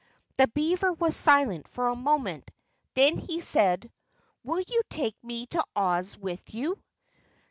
The beaver was silent for a moment, then he said: "Will you take me to Oz with you?"